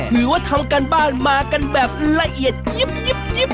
ถือว่าทำการบ้านมากันแบบละเอียดยิบ